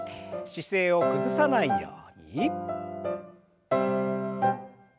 姿勢を崩さないように。